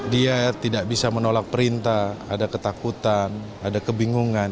dia tidak bisa menolak perintah ada ketakutan ada kebingungan